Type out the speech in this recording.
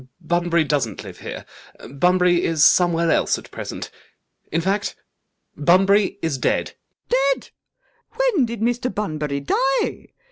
Bunbury doesn't live here. Bunbury is somewhere else at present. In fact, Bunbury is dead. LADY BRACKNELL. Dead! When did Mr. Bunbury die?